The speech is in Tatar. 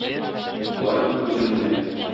Бары тик үзем генә!